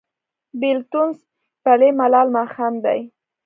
بیلتون ځپلی ملال ماښام دی